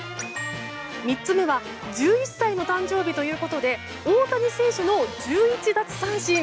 ３つ目は１１歳の誕生日ということで大谷選手の１１奪三振。